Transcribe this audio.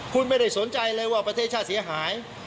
คุณไม่ได้สนใจเลยว่าประเทศชาติเสียหาย